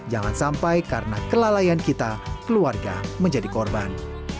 jangan sampai karena kelalaian kita keluarga menjadi korban